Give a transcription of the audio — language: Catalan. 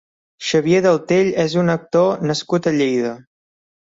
Xavier Deltell és un actor nascut a Lleida.